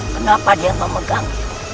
kenapa dia memegang